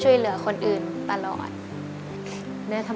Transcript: เยอะ